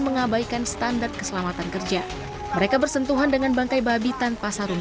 mengabaikan standar keselamatan kerja mereka bersentuhan dengan bangkai babi tanpa sarung